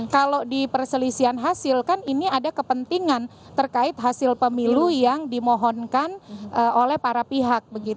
kalau di perselisihan hasil kan ini ada kepentingan terkait hasil pemilu yang dimohonkan oleh para pihak